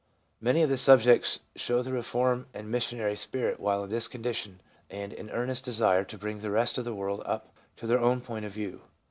Many of the subjects show the reform and missionary spirit while in this condition, and an earnest desire to bring the rest of the world up to their own point of view.